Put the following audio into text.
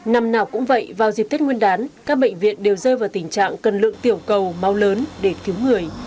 năm nào cũng vậy vào dịp tết nguyên đán các bệnh viện đều rơi vào tình trạng cần lượng tiểu cầu máu lớn để cứu người